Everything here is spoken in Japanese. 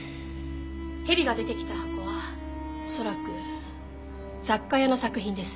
蛇が出てきた箱は恐らく雑貨屋の作品です。